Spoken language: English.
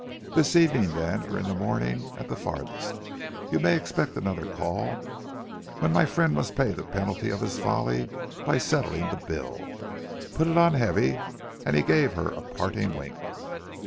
'This evening then, or in the morning at the farthest, you may expect another call, when my friend must pay the penalty of his folly by settling the bill. Put it on heavy.' And he gave her a parting wink.